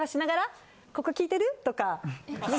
「ここ効いてる？」とか。